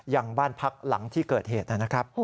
ยังบ้านพักหลังที่เกิดเหตุนะครับ